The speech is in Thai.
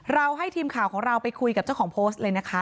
ให้ทีมข่าวของเราไปคุยกับเจ้าของโพสต์เลยนะคะ